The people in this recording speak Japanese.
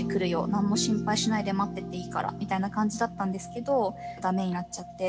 何も心配しないで待ってていいから」みたいな感じだったんですけど駄目になっちゃって。